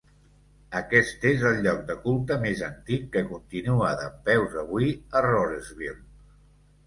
Aquest és el lloc de culte més antic que continua dempeus avui a Rohrersville.